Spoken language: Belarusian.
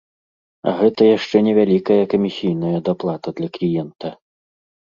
А гэта яшчэ невялікая камісійная даплата для кліента.